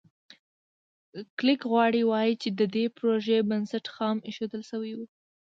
کلېک غواړي ووایي چې د دې پروژې بنسټ خام ایښودل شوی و.